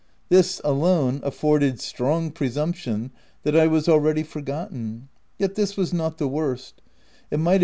This, alone, afforded strong presumption that I was already forgot ten ; yet this was not the worst : it might have OF WILDFELL HALL.